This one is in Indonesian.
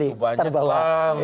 itulah tadi terbawa